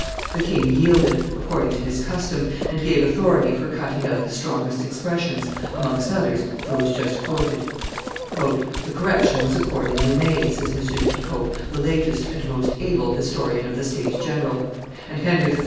The king yielded, according to his custom, and gave authority for cutting out the strongest expressions, amongst others those just quoted. "The correction was accordingly made," says M. Picot, the latest and most able historian of the states general, "and Henry III.